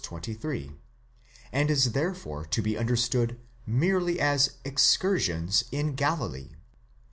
23, and is therefore to be understood merely of excursions in Galilee.